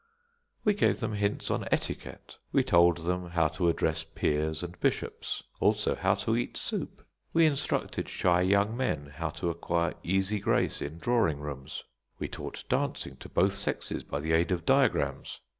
We gave them hints on etiquette. We told them how to address peers and bishops; also how to eat soup. We instructed shy young men how to acquire easy grace in drawing rooms. We taught dancing to both sexes by the aid of diagrams.